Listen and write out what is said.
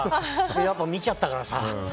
やっぱ見ちゃったからさ。